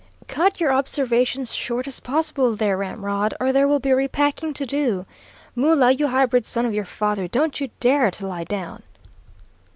"Cut your observations short as possible there, Ramrod, or there will be re packing to do. Mula, you hybrid son of your father, don't you dare to lie down!"